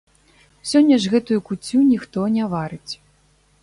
Сёння ж гэтую куццю ніхто не варыць.